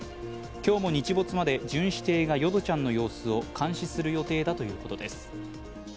今日も日没まで巡視艇がヨドちゃんの様子を監視する予定だということです。